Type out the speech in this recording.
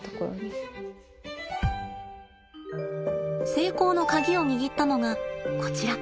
成功のカギを握ったのがこちら。